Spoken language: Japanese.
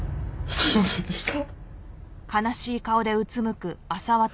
すみませんでした！